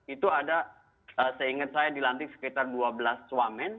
itu ada seingat saya dilantik sekitar dua belas wamen